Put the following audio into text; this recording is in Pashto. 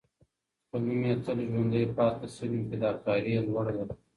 که نوم یې تل ژوندی پاتې سي، نو فداکاري یې لوړه ده.